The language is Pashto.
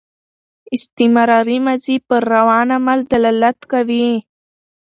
استمراري ماضي پر روان عمل دلالت کوي.